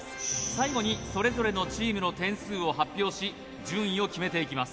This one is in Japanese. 最後にそれぞれのチームの点数を発表し順位を決めていきます